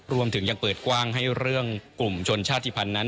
รวมถึงยังเปิดกว้างให้เรื่องกลุ่มชนชาติภัณฑ์นั้น